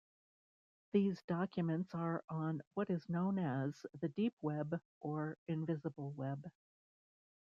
These documents are on what is known as the deep Web, or invisible Web.